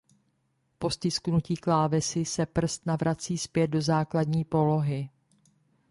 Po stisknutí klávesy se prst navrací zpět do základní polohy.